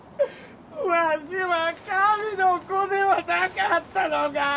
ワシは神の子ではなかったのか！？